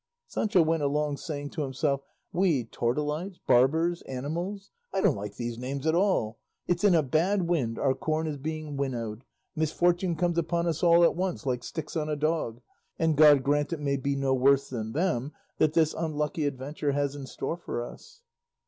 Sancho went along saying to himself, "We, tortolites, barbers, animals! I don't like those names at all; 'it's in a bad wind our corn is being winnowed;' 'misfortune comes upon us all at once like sticks on a dog,' and God grant it may be no worse than them that this unlucky adventure has in store for us."